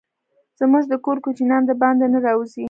زموږ د کور کوچينان دباندي نه راوزي.